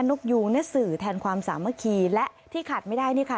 นกยูงสื่อแทนความสามคีย์และที่ขาดไม่ได้นี่ค่ะ